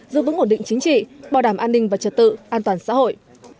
giữ vững ổn định chính trị bảo đảm an ninh và trật tự an toàn xã hội